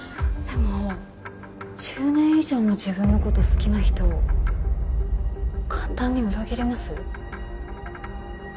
でも１０年以上も自分の事好きな人を簡単に裏切れます？